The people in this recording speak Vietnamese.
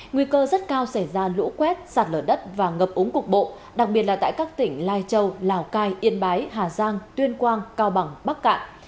nguy cơ rất cao xảy ra lũ quét sạt lở đất và ngập úng cục bộ đặc biệt là tại các tỉnh lai châu lào cai yên bái hà giang tuyên quang cao bằng bắc cạn